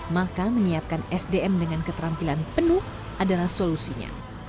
maka menyiapkan sdm dengan keterampilan penuh adalah solusinya